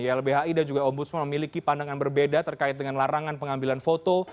ylbhi dan juga ombudsman memiliki pandangan berbeda terkait dengan larangan pengambilan foto